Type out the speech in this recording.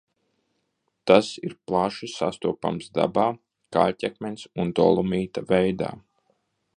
Tas ir plaši sastopams dabā, kaļķakmens un dolomīta veidā.